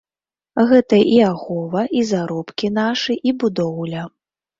Гэта і ахова, і заробкі нашы, і будоўля.